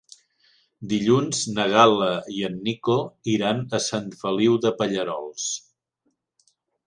Dilluns na Gal·la i en Nico iran a Sant Feliu de Pallerols.